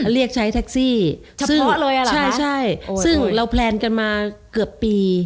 เรียกใช้แท็กซี่เฉพาะเลยอ่ะใช่ใช่ซึ่งเราแพลนกันมาเกือบปี